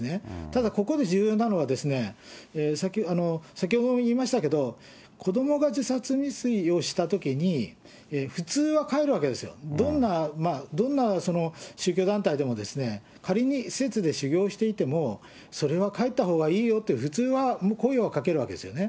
ただ、ここで重要なのは、先ほども言いましたけど、子どもが自殺未遂をしたときに、普通は帰るわけですよ、どんな宗教団体でも、仮に施設で修行していても、それは帰ったほうがいいよって、普通はもう声をかけるわけですよね。